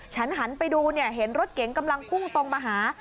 ฉันหันไปดูเห็นรถเก๋งกำลังพุ่งตรงมาหา